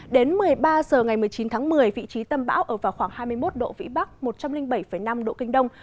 đến một mươi ba h ngày một mươi chín tháng một mươi vị trí tâm bão ở vào khoảng hai mươi một độ vĩ bắc một trăm linh bảy năm độ kinh đông